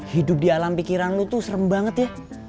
hidup di alam pikiran lu tuh serem banget ya